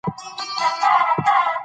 تاریخ د سترگې په شان روښانه ده.